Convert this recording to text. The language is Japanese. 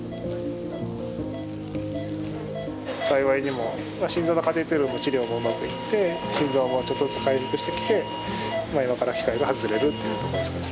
幸いにも心臓のカテーテルの治療もうまくいって心臓もちょっとずつ回復してきて今から機械が外されるというとこですかね。